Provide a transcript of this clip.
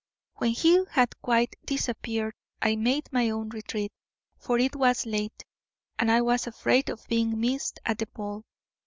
When he had quite disappeared, I made my own retreat, for it was late, and I was afraid of being missed at the ball.